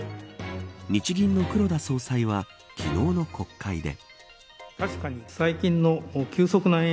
日銀の黒田総裁は昨日の国会で。